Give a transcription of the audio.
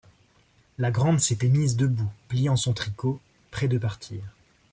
La Grande s’était mise debout, pliant son tricot, près de partir.